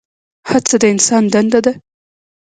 هڅه د انسان دنده ده؟